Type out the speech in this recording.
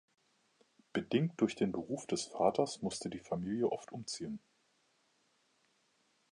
Bedingt durch den Beruf des Vaters musste die Familie oft umziehen.